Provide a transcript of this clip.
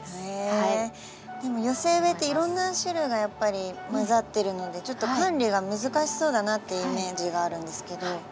寄せ植えっていろんな種類がやっぱり混ざってるのでちょっと管理が難しそうだなってイメージがあるんですけど。